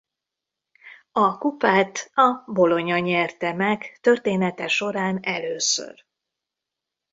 A kupát a Bologna nyerte meg története során először.